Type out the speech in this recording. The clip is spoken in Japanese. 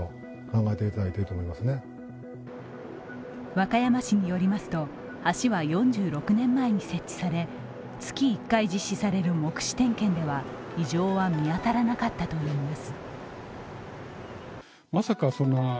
和歌山市によりますと、橋は４６年前に設置され月１回実施される目視点検では異常は見当たらなかったといいます。